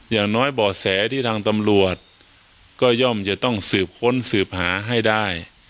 อย่างน้อยบ่อแสที่ทางตำรวจก็ย่อมจะต้องสืบค้นสืบหาให้ได้